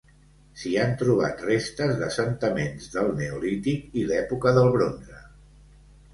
S'hi han trobat restes d'assentaments del neolític i l'època del bronze.